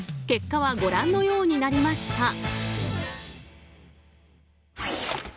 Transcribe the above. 結果はご覧のようになりました。